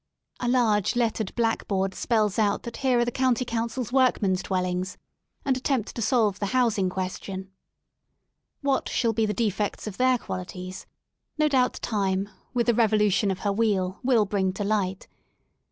A large, lettered, black board spells out that here are the County Councirs workmen's dwelj 51 THE SOUL OF LONDON ings and attempt to solve the housing question. What shall be the defects of their qualities, no doubt Time, with the revolution of her wheel, will bring to light.